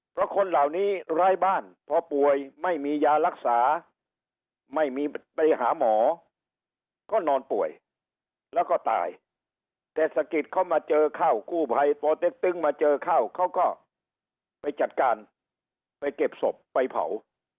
เพราะคนเหล่านี้ร้ายบ้านพอป่วยไม่มียารักษาไม่มีไปหาหมอก็นอนป่วยแล้วก็ตายเทศกิจเข้ามาเจอเข้ากู้ภัยปเต็กตึ้งมาเจอเข้าเขาก็ไปจัดการไปเก็บศพไปเผา